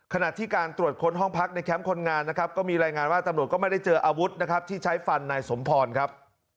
ขณะที่การตรวจค้นห้องพักในแคมป์คนงานนะครับก็มีรายงานว่าตำรวจก็ไม่ได้เจออาวุธนะครับที่ใช้ฟันนายสมพรครับ